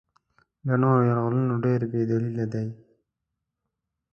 له نورو یرغلونو ډېر بې دلیله دی.